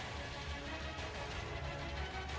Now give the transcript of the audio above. helikopter ini dilengkapi peluncur roket ffar dua tujuh puluh lima inci